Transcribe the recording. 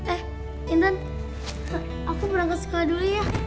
eh inan aku berangkat sekolah dulu ya